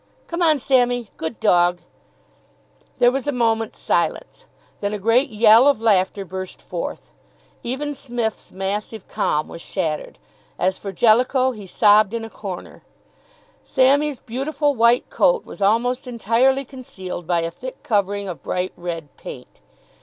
"Come on, Sammy. Good dog." There was a moment's silence. Then a great yell of laughter burst forth. Even Psmith's massive calm was shattered. As for Jellicoe, he sobbed in a corner. Sammy's beautiful white coat was almost entirely concealed by a thick covering of bright red paint.